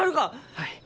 はい。